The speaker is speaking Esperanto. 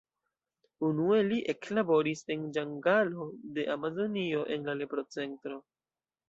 Unue li eklaboris en ĝangalo de Amazonio en la lepro-centro.